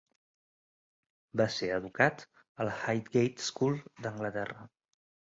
Va ser educat a la Highgate School d"Anglaterra.